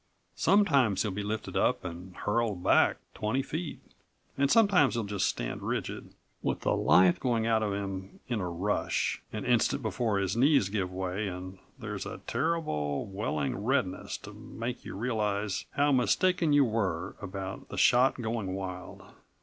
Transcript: Sometimes he'll be lifted up and hurled back twenty feet and sometimes he'll just stand rigid, with the life going out of him in a rush, an instant before his knees give way and there's a terrible, welling redness to make you realize how mistaken you were about the shot going wild.